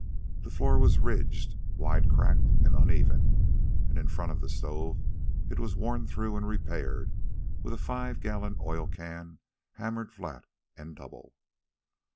The floor was ridged, wide cracked, and uneven, and in front of the stove it was worn through and repaired with a five gallon oil can hammered flat and double.